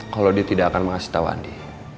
kalo dia tidak akan mengasih tau andi